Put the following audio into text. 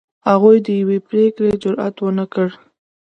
هغوی د یوې پرېکړې جرئت ونه کړ.